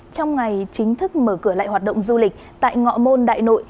trong ngày chính thức mở cửa lại hoạt động du lịch tại ngõ môn đại nội